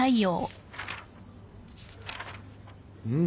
うん。